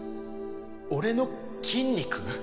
俺の筋肉？